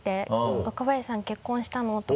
「若林さん結婚したの？」とか。